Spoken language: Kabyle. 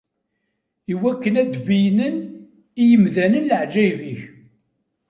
Iwakken ad d-beyynen i yimdanen leɛǧayeb-ik.